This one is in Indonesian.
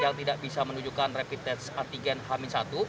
yang tidak bisa menunjukkan rapid test antigen hamil satu